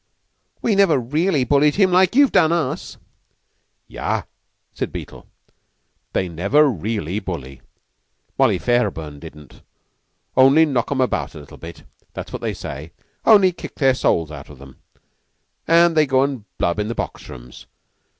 "We never really bullied him like you've done us." "Yah!" said Beetle. "They never really bully 'Molly' Fairburn didn't. Only knock 'em about a little bit. That's what they say. Only kick their souls out of 'em, and they go and blub in the box rooms.